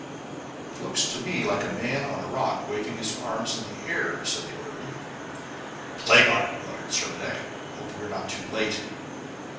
"It looks to me like a man on a rock, waving his arms in the air," said the orderly. "Plague on it!" muttered Servadac; "I hope we are not too late."